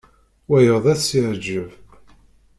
Wayeḍ ad s-yeɛǧeb.